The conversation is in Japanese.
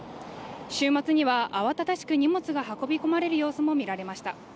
週末には慌ただしく荷物が運び込まれる様子も見られました